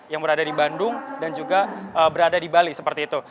yang berada di bandung dan juga berada di bali seperti itu